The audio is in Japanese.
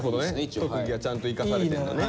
特技がちゃんと生かされてんのね。